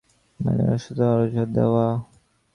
মানে, অসুস্থতার অজুহাত দেওয়া?